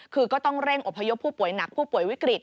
คือก็ต้องเร่งอพยพผู้ป่วยหนักผู้ป่วยวิกฤต